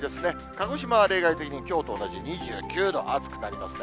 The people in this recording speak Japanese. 鹿児島は例外的にきょうと同じ２９度、暑くなりますね。